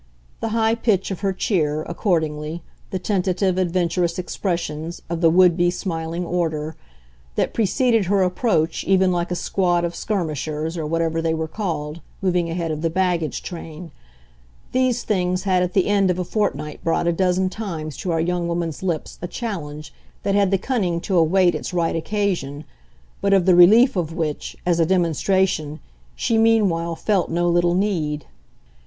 The high pitch of her cheer, accordingly, the tentative, adventurous expressions, of the would be smiling order, that preceded her approach even like a squad of skirmishers, or whatever they were called, moving ahead of the baggage train these things had at the end of a fortnight brought a dozen times to our young woman's lips a challenge that had the cunning to await its right occasion, but of the relief of which, as a demonstration, she meanwhile felt no little need.